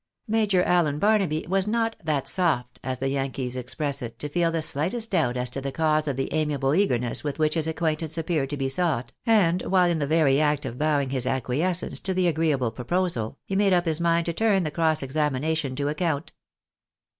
Major Allen Barnaby was not " that soft," as the Yankees express it, to feel the slightest doubt as to the cause of the amiable eagerness with which his acquaintance appeared to be sought, and while in the very act of bowing his acquiescence to the agreeable proposal, he made up his mind to turn the cross examination to account.